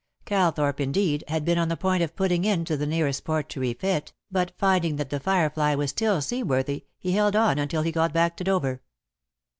Calthorpe, indeed, had been on the point of putting in to the nearest port to refit, but finding that The Firefly was still seaworthy he held on until he got back to Dover.